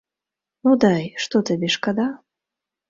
Ну дай, што табе, шкада?